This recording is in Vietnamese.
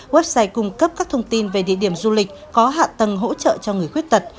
website cung cấp các thông tin về địa điểm du lịch có hạ tầng hỗ trợ cho người khuyết tật